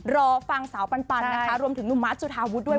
รอฟังสาวปันนะคะรวมถึงหนุ่มมาร์จุธาวุฒิด้วย